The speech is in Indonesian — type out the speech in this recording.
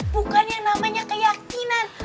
bukan yang namanya keyakinan